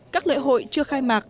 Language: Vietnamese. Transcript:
các lễ hội chưa khai mạc